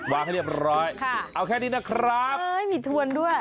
ให้เรียบร้อยเอาแค่นี้นะครับเอ้ยมีทวนด้วย